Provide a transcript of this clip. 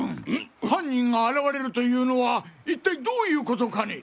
犯人が現れるというのはいったいどういうことかね？